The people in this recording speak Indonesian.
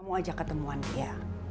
kamu ajak ketemuan dia